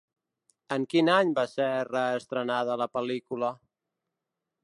En quin any va ser reestrenada la pel·lícula?